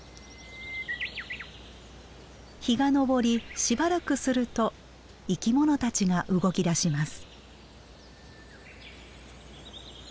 日が昇りしばらくすると生きものたちが動きだします。